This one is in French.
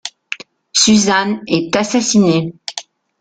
Susan est assassinée.